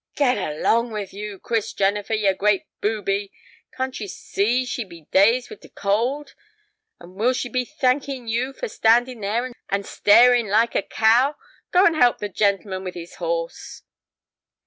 "Get along with you, Chris Jennifer, you great booby! Can't you see she be dazed with t' cold? And will she be thanking you for standing there and staring like a cow? Go and help the gentleman with his horse."